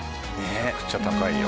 めちゃくちゃ高いよ。